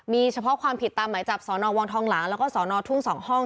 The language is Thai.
มีเฉพาะความผิดตามหมายจับสนวังทองหลางแล้วก็สอนอทุ่ง๒ห้อง